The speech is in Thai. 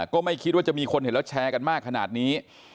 ก็ไม่คิดว่าจะมีคนเห็นแล้วแชร์กันมากขนาดนี้